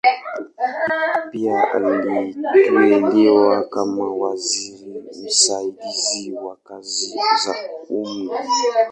Pia aliteuliwa kama waziri msaidizi wa kazi za umma.